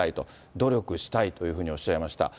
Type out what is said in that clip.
努力したいというふうにおっしゃいました。